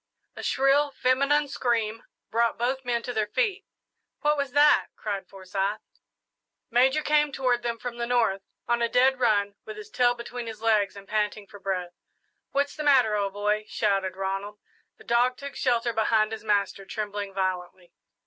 A shrill feminine scream brought both men to their feet. "What was that?" cried Forsyth. Major came toward them from the north, on a dead run, with his tail between his legs and panting for breath. "What's the matter, old boy?" shouted Ronald. The dog took shelter behind his master, trembling violently.